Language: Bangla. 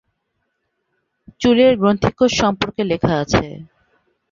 চুলের গ্রন্থিকোষ সম্পর্কে লেখা আছে।